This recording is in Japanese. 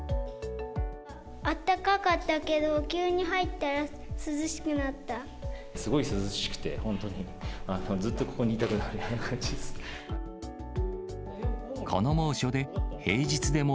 あったかかったけど、急に入すごい涼しくて、本当に、ずっとここにいたくなるような感じです。